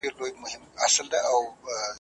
ما د الوداع په شپه د ګلو غېږ ته واستوه ,